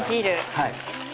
はい。